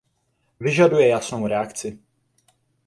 Vyžaduje jasnou reakci.